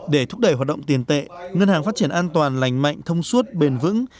để thúc đẩy hoạt động tiền tệ ngân hàng phát triển an toàn lành mạnh thông suốt bền vững